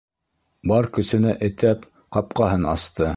Бар көсөнә этәп, ҡапҡаһын асты.